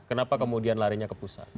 kenapa kemudian larinya ke pusat